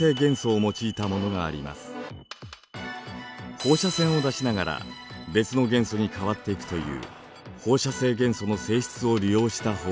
放射線を出しながら別の元素に変わっていくという放射性元素の性質を利用した方法です。